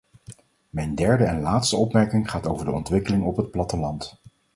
Mijn derde en laatste opmerking gaat over de ontwikkeling op het platteland.